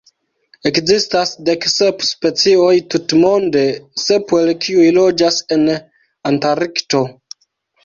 Ekzistas dek sep specioj tutmonde, sep el kiuj loĝas en Antarkto.